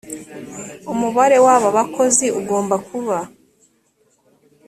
umubare w aba bakozi ugomba kuba